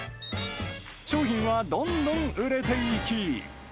商品はどんどん売れていき。